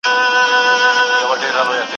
د فرهنګي توپیرونو درناوی وکړه.